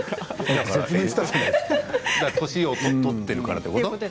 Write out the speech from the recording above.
年を取ってるからということ？